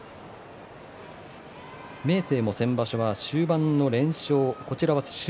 明生も先場所は１０番の連勝